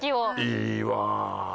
いいわぁ。